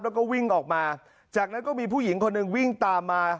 แล้วก็วิ่งออกมาจากนั้นก็มีผู้หญิงคนหนึ่งวิ่งตามมา